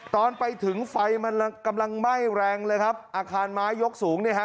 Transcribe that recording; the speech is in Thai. ตอนไปถึงไฟมันกำลังไหม้แรงเลยครับอาคารไม้ยกสูงเนี่ยฮะ